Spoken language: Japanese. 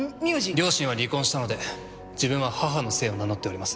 両親は離婚したので自分は母の姓を名乗っております。